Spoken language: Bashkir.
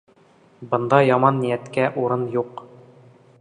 Бында яман ниәткә урын юҡ.